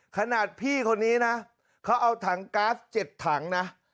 ขนาดพี่คนนี้นะเขาเอาถังก๊าซ๗ถังนะ